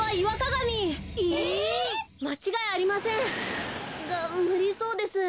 がむりそうです。